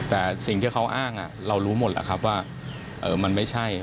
แต่สิ่งที่เขาอ้างเรารู้หมดแล้วครับว่ามันไม่ใช่